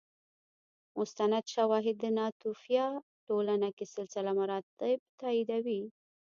مستند شواهد د ناتوفیا ټولنه کې سلسله مراتب تاییدوي